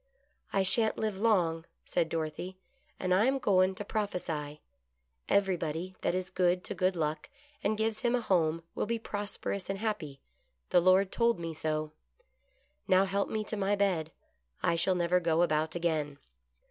" I sha'n't live long," said Dorothy, " and I am goin' to prophesy : Everybody that is good to Good Luck and gives him a home will be prosperous and happy ; the Lord told me so. Now help me to my bed — I shall never go about again."